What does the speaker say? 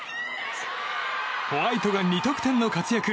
ホワイトが２得点の活躍。